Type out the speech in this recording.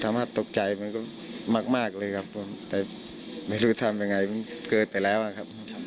มากตกใจมันก็มากเลยครับผมแต่ไม่รู้ทำยังไงมันเกิดไปแล้วนะครับ